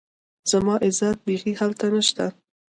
زما عزت بيخي هلته نشته